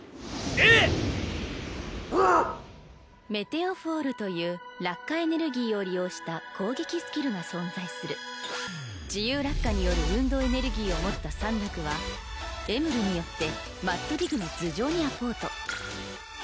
グオッ⁉「隕石落蹴」という落下エネルギーを利用した攻撃スキルが存在する自由落下による運動エネルギーを持ったサンラクはエムルによってマッドディグの頭上に瞬間転移。